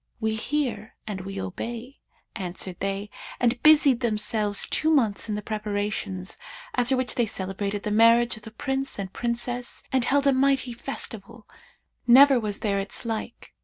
'We hear and we obey,' answered they and busied themselves two months in the preparations, after which they celebrated the marriage of the Prince and Princess and held a mighty festival, never was there its like.